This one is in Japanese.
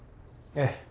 ええ。